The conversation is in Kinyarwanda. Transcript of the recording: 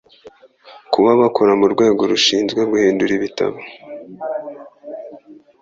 kuba bakora mu rwego rushinzwe guhindura ibitabo